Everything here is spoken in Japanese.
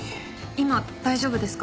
今大丈夫ですか？